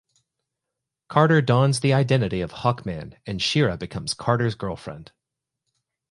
Carter dons the identity of Hawkman and Shiera becomes Carter's girlfriend.